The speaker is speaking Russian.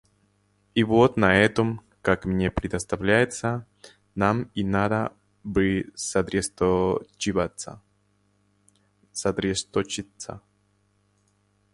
И вот на этом, как мне представляется, нам и надо бы сосредоточиться.